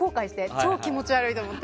超気持ち悪いと思って。